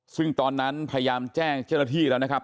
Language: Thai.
ซึ่งตอนนั้นพยายามแจ้งเจ้าหน้าที่แล้วนะครับ